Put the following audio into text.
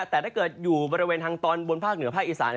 แต่ถ้าเกิดอยู่บริเวณทางตอนบนภาคเหนือภาคอีสาน